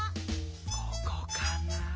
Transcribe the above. ここかな？